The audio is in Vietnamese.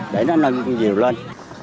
để nó lên con diều lên